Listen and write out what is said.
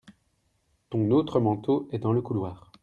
Ton autre manteau est dans le couloir.